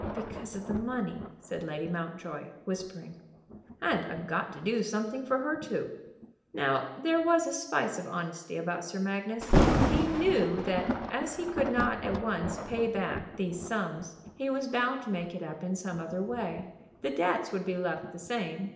"Because of the money," said Lady Mountjoy, whispering. "And I've got to do something for her too." Now, there was a spice of honesty about Sir Magnus. He knew that as he could not at once pay back these sums, he was bound to make it up in some other way. The debts would be left the same.